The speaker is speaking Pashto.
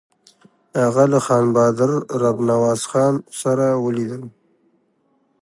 هغه له خان بهادر رب نواز خان سره ولیدل.